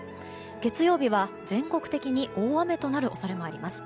月曜日は、全国的に大雨となる恐れもあります。